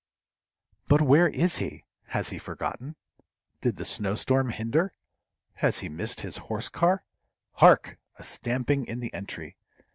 But where is he? Has he forgotten? Did the snowstorm hinder? Has he missed his horse car? Hark! a stamping in the entry.